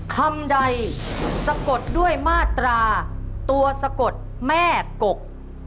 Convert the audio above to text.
คำใดสะกดด้วยมาตราตัวสะกดแม่กก